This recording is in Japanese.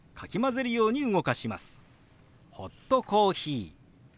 「ホットコーヒー」。